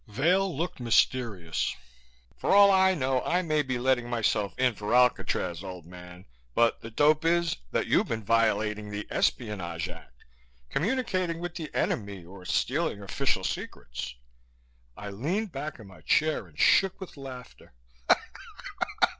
Vail looked mysterious. "For all I know I may be letting myself in for Alcatraz, old man, but the dope is that you've been violating the Espionage Act, communicating with the enemy, or stealing official secrets." I leaned back in my chair and shook with laughter.